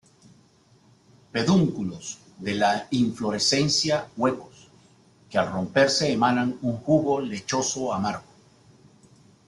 Pedúnculos de la inflorescencia huecos, que al romperse emanan un jugo lechoso amargo.